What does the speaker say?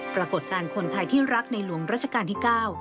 ปรากฏการณ์คนไทยที่รักในหลวงรัชกาลที่๙